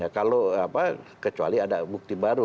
kalau kecuali ada bukti baru